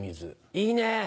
いいねぇ。